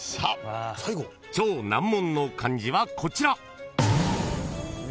［超難問の漢字はこちら！］